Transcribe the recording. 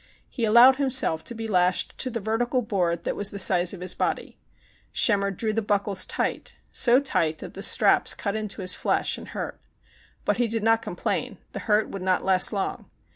He allowed himself to be lashed to the vertical .board that was the size of his body. Schemmer drew the buckles tight ã so tight that the straps cut into his flesh and hurt. But he did not complain. The hurt would not last long.